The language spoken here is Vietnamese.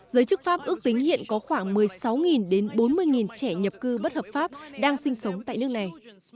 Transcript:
giới chức pháp ước tính hiện có khoảng một mươi sáu đến bốn mươi trẻ nhập cư bất hợp pháp đang sinh sống tại nước này